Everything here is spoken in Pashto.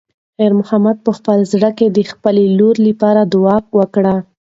خیر محمد په خپل زړه کې د خپلې لور لپاره دعا وکړه.